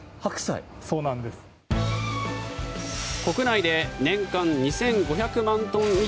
国内で年間２５００万トン